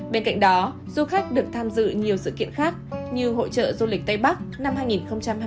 bên cạnh đó du khách được tham dự nhiều sự kiện khác như hội trợ du lịch tây bắc